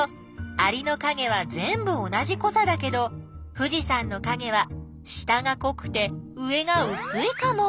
アリのかげはぜんぶ同じこさだけど富士山のかげは下がこくて上がうすいかも。